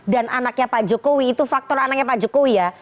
dan anaknya pak jokowi itu faktor anaknya pak jokowi ya